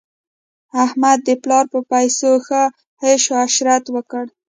احمد د پلا په پیسو ښه عش عشرت وکړ.